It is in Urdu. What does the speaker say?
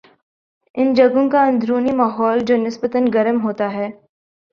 ان جگہوں کا اندرونی ماحول جو نسبتا گرم ہوتا ہے